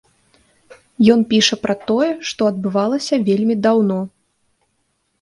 Ён піша пра тое, што адбывалася вельмі даўно.